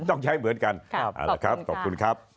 ต้องใช้เหมือนกันเอาละครับขอบคุณครับ